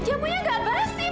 jamunya gak basi mas